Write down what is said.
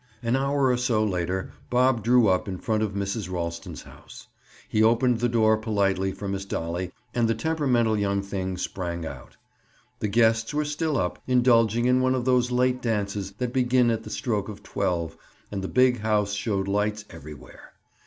An hour or so later Bob drew up in front of Mrs. Ralston's house. He opened the door politely for Miss Dolly and the temperamental young thing sprang out. The guests were still up, indulging in one of those late dances that begin at the stroke of twelve, and the big house showed lights everywhere.